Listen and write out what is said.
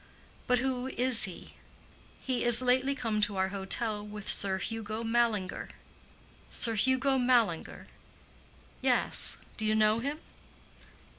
"But who is he?" "He is lately come to our hotel with Sir Hugo Mallinger." "Sir Hugo Mallinger?" "Yes. Do you know him?"